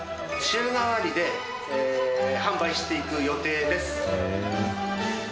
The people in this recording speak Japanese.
週替わりで販売していく予定です。